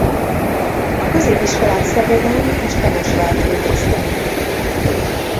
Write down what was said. A középiskolát Szegeden és Temesvárt végezte.